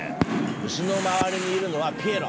牛の周りにいるのはピエロ。